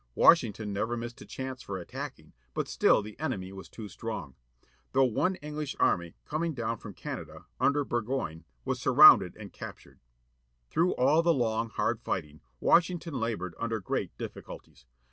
Washington never missed a chance for attacking, but still the enemy was too strong. Though one English army, coming down from Canada, under Burgoyne, was surroimded and captured. Through all the long, hard fighting, Washington laboured under great difficulties.